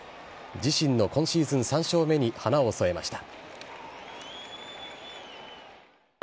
自身の今シーズン３勝目に華を添えました。